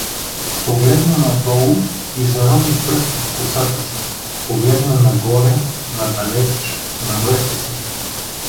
Погледна надолу и зарови пръсти в косата си, погледна нагоре, надалеч, намръщи се.